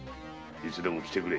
いつでも来てくれ。